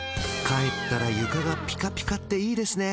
帰ったら床がピカピカっていいですね